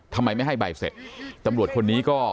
ทำไมไม่ให้ใบเสร็จตำรวจคนนี้ก็